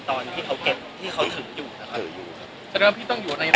ที่เขาถึงอยู่นะครับ